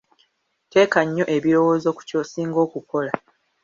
Teeka nnyo ebirowoozo ku ky'osinga okukola.